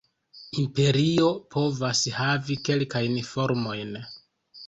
Imperio povas havi kelkajn formojn.